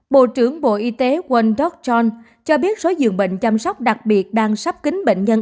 bộ trưởng bộ y tế won dok jong cho biết số dường bệnh chăm sóc đặc biệt đang sắp kín bệnh nhân